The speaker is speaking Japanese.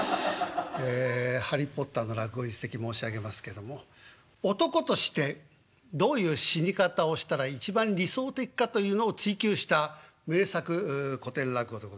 ええハリー・ポッターの落語一席申し上げますけども男としてどういう死に方をしたら一番理想的かというのを追求した名作古典落語でございまして。